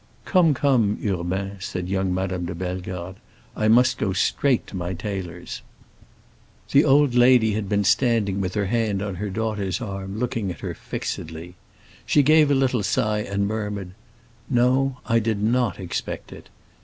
"Come, come, Urbain," said young Madame de Bellegarde, "I must go straight to my tailor's." The old lady had been standing with her hand on her daughter's arm, looking at her fixedly. She gave a little sigh, and murmured, "No, I did not expect it!